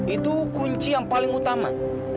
itu kunci yang paling utama